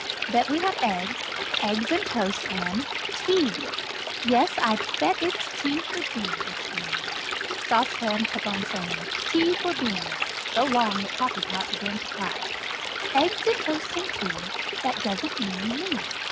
"Bet we have eggs, eggs, and toast, and tea! Yes, I bet it's tea for B. this morning." Sauce Pan kept on saying, "Tea for B." so long that Coffee Pot began to cry: "Eggs and toast and tea, That doesn't mean me.